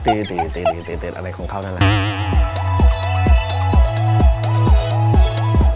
ตืดอะไรของเขาน่ารัก